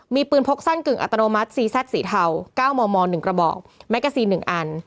มีปืนพกสั้นกึ่งอัตโนมัติซีแซทสีเทาเก้ามอมอหนึ่งกระบอกแมกกาซินหนึ่งอัน